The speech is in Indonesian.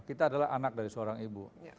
kita adalah anak dari seorang ibu